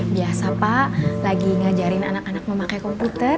biasa pak lagi ngajarin anak anak memakai komputer